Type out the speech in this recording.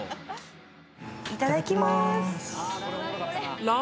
いただきまーす。